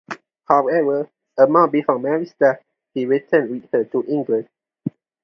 However, a month before Mary's death he returned with her to England.